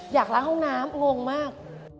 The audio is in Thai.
ล้างห้องน้ำงงมาก